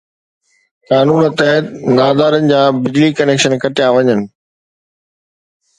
قانون تحت نادارن جا بجلي جا ڪنيڪشن ڪٽيا وڃن